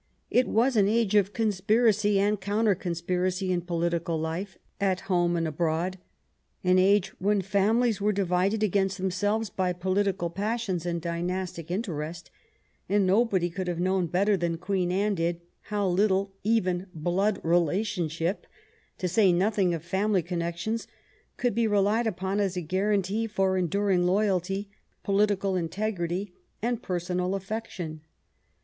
It was an age of conspiracy and counter consipracy in political life at home and abroad, an age when families were divided against themselves by political passions and dynastic interest, and nobody could have known better than Queen Anne did how little even blood relationship, to say nothing of family con nections, could be relied upon as a guarantee for endur ing loyalty, political integrity, and personal affection.